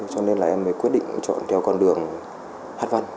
cho nên là em mới quyết định chọn theo con đường hát văn